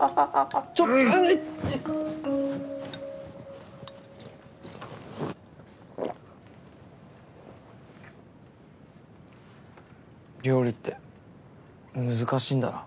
ゴクッ料理って難しいんだな。